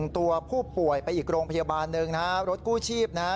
ตัวผู้ป่วยไปอีกโรงพยาบาลหนึ่งนะฮะรถกู้ชีพนะฮะ